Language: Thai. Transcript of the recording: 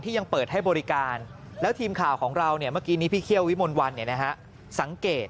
ที่ยังเปิดให้บริการแล้วทีมข่าวของเราพี่เคี่ยววิมลวันนะฮะ